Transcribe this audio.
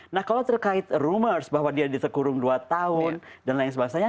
nah kalau terkait rumors bahwa dia ditekurung dua tahun dan lain sebagainya